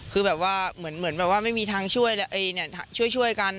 คือแบบว่าไม่มีทางช่วยกัน